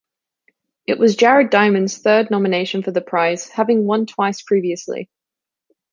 It was Jared Diamond's third nomination for the prize, having won twice previously.